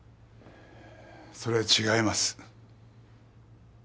それは違います。